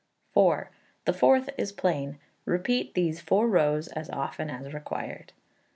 iv. The fourth is plain. Repeat these four rows as often as required.